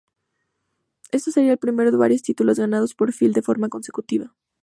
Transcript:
Este sería el primero varios títulos ganados por Phil de forma consecutiva.